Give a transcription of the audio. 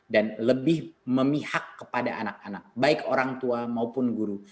dan lebih memihak kepada anak anak baik orang tua maupun guru